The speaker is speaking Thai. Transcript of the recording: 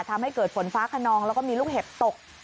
ทำให้เกิดฝนฟ้าขนองแล้วก็มีลูกเห็บตก